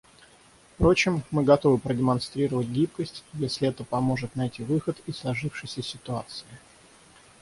Впрочем, мы готовы продемонстрировать гибкость, если это поможет найти выход из сложившейся ситуации.